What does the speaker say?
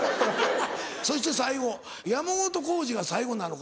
そして最後山本浩司が最後なのか。